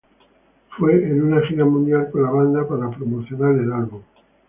Fue en una gira mundial con la banda para promocionar el álbum.